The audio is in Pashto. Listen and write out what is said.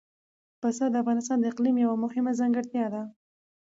پسه د افغانستان د اقلیم یوه مهمه ځانګړتیا ده.